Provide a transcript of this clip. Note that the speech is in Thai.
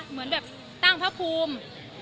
เหมือนแบบตั้งพระภูมิ